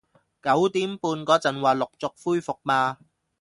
九點半嗰陣話陸續恢復嘛